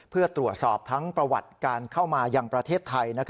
เพื่อตรวจสอบทั้งประวัติการเข้ามายังประเทศไทย